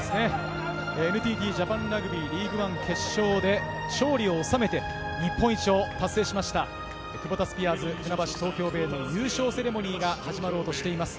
ＮＴＴジャパンラグビーリーグワン決勝で勝利をおさめて、日本一を達成しましたクボタスピアーズ船橋・東京ベイの優勝セレモニーが始まろうとしています。